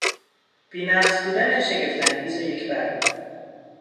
بینقص بودن شگفت انگیز یک برگ